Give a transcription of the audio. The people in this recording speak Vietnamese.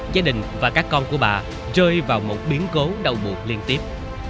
gia đình và các con của bà rơi vào một biến cố đau bụt liên tiếp